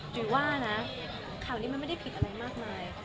จุ๋ยว่านะข่าวนี้มันไม่ได้ผิดอะไรมากมาย